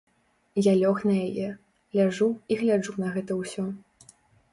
Я лёг на яе, ляжу і гляджу на гэта ўсё.